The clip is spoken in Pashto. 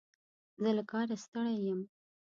زه له کاره ستړی یم.